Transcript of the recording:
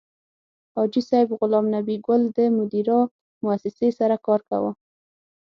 حاجي صیب غلام نبي ګل د مدیرا موسسې سره کار کاوه.